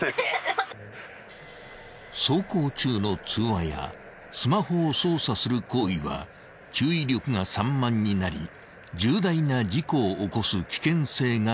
［走行中の通話やスマホを操作する行為は注意力が散漫になり重大な事故を起こす危険性が高い］